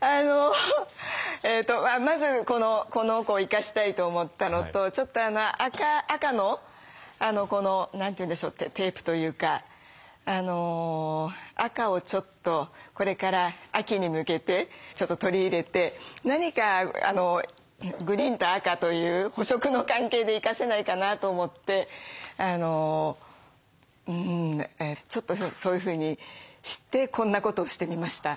まずこの子を生かしたいと思ったのとちょっと赤のこの何て言うんでしょうテープというか赤をちょっとこれから秋に向けてちょっと取り入れて何かグリーンと赤という補色の関係で生かせないかなと思ってちょっとそういうふうにしてこんなことをしてみました。